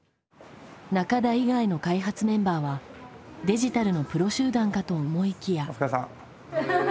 仲田以外の開発メンバーはデジタルのプロ集団かと思いきや。